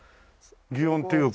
擬音っていうか。